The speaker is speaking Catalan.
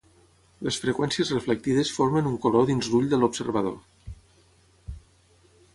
Les freqüències reflectides formen un color dins l'ull de l'observador.